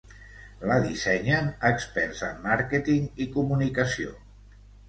La dissenyen experts en màrqueting i comunicació.